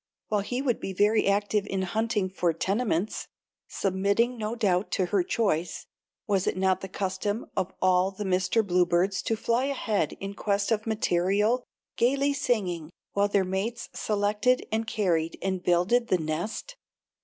While he would be very active in hunting for tenements, submitting, no doubt, to her choice, was it not the custom of all the Mr. Bluebirds to fly ahead in quest of material, gayly singing, while their mates selected and carried and builded the nest?